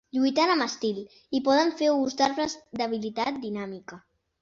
"Lluiten amb estil" i poden fer ús d'arbres d'habilitat dinàmica.